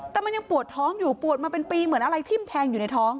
แต่มันยังปวดท้องอยู่ปวดมาเป็นปีเหมือนอะไรทิ้มแทงอยู่ในท้อง